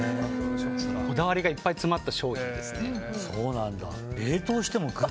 こだわりがいっぱい詰まった商品ですね。